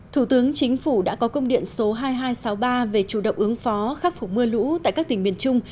thủ tướng chính phủ đã có công điện số hai nghìn hai trăm sáu mươi ba về chủ động ứng phó khắc phục mưa lũ tại các tỉnh miền trung